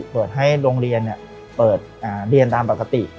เปิดให้โรงเรียนเปิดเรียนตามปกติ